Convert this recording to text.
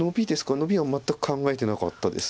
ノビは全く考えてなかったです。